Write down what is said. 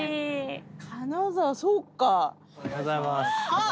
あっ！